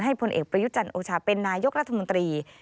ให้พลเอกปริยุจรรย์โอชาเป็นนายกรัฐมนตรี